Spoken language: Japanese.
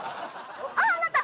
あっあなた！